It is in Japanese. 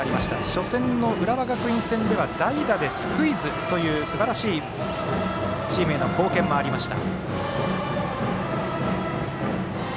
初戦の浦和学院戦では代打でスクイズというすばらしいチームへの貢献もありました。